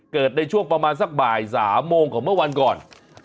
เกิดในช่วงประมาณสักบ่าย๓โมงของเมื่อวันก่อน